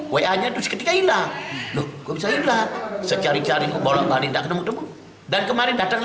wayanya terus ketika hilang loh saya lah sejarah jarah bolak balik dan kemarin datang